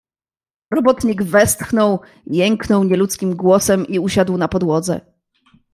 "Robotnik westchnął, jęknął nieludzkim głosem i siadł na podłodze."